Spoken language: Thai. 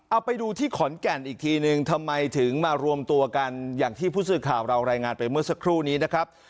เอาไปดูที่ขอนแก่นอีกทีหนึ่งทำไมถึงมารวมตัวกันอย่างที่ผู้สื่อข่าวเรารายงานไปเมื่อสักครู่นี้นะครับ